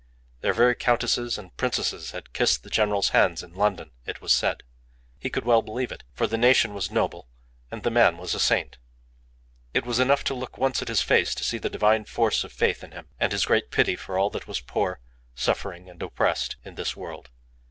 Their very countesses and princesses had kissed the general's hands in London, it was said. He could well believe it; for the nation was noble, and the man was a saint. It was enough to look once at his face to see the divine force of faith in him and his great pity for all that was poor, suffering, and oppressed in this world.